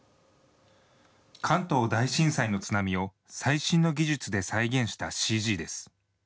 関東大震災の津波を最新の技術で再現したＣＧです。